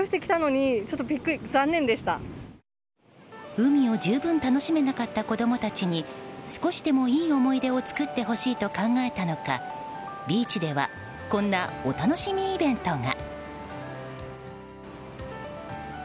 海を十分楽しめなかった子供たちに少しでもいい思い出を作ってほしいと考えたのかビーチではこんなお楽しみイベントが。